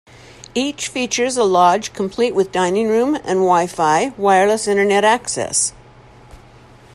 Each features a lodge complete with dining room and Wi-Fi wireless Internet access.